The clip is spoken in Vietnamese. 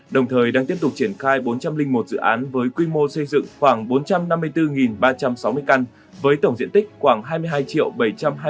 đồng thời đang tiếp tục triển khai bốn trăm linh một dự án với quy mô xây dựng khoảng bốn trăm năm mươi bốn ba trăm sáu mươi căn